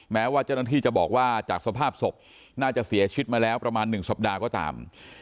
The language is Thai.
แม้ว่าเจ้าหน้าที่จะบอกว่าจากสภาพศพน่าจะเสียชีวิตมาแล้วประมาณ๑สัปดาห์ก็ตาม